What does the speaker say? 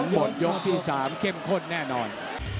หมดยกที่๓เข้มข้นแน่นอน